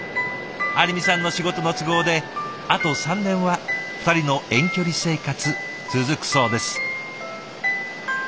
有美さんの仕事の都合であと３年は２人の遠距離生活続くそうです。